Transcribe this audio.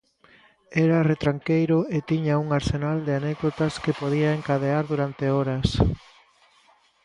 Era retranqueiro e tiña un arsenal de anécdotas que podía encadear durante horas.